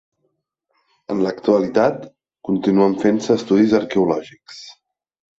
En l'actualitat continuen fent-se estudis arqueològics.